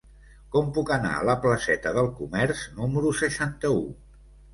Com puc anar a la placeta del Comerç número seixanta-u?